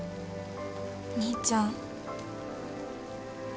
兄ちゃん。